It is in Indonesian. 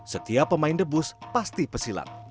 setiap pemain debus pasti pesilat